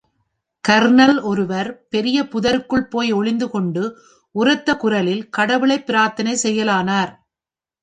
Kernel ஒருவர் பெரிய புதருக்குள் போய் ஒளிந்து கொண்டு உரத்த குரலில் கடவுளைப் பிரார்த்தனை செய்யலானார்.